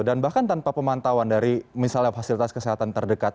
dan bahkan tanpa pemantauan dari misalnya fasilitas kesehatan terdekat